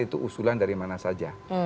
itu usulan dari mana saja